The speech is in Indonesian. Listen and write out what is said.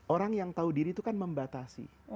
orang yang tahu diri itu kan membatasi